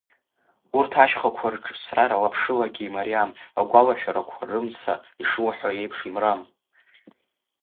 Урҭ ашьхақәа рҿысра лаԥшылагьы имариам, агәалашәарақәа рымца ишуҳәо еиԥш имрам.